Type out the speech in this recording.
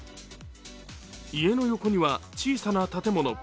家の横には小さな建物。